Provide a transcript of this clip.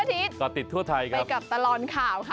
สวัสดีครับต้อหัทติดทั่วไทยครับสนจรทั่วอาทิตย์ไปกับตลอนข่าวค่ะ